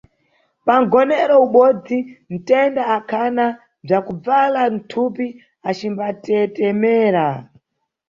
Pa nʼgonero ubodzi mtenda akhana bzakubvala mthupi acimbatetemera.